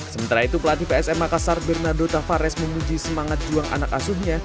sementara itu pelatih psm makassar bernardo tavares memuji semangat juang anak asuhnya